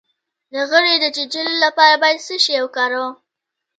د غڼې د چیچلو لپاره باید څه شی وکاروم؟